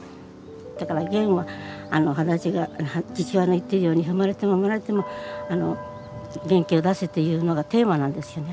だからゲンは父親の言ってるように「ふまれてもふまれても元気を出せ」というのがテーマなんですよね。